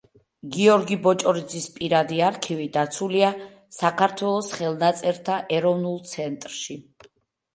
გიორგი ბოჭორიძის პირადი არქივი დაცულია საქართველოს ხელნაწერთა ეროვნულ ცენტრში.